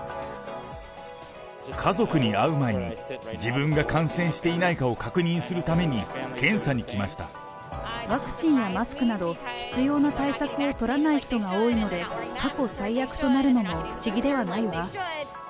家族に会う前に自分が感染していないかを確認するために検査ワクチンやマスクなど、必要な対策を取らない人が多いので、過去最悪となるのも不思議ではないわ。